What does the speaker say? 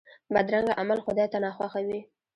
بدرنګه عمل خدای ته ناخوښه وي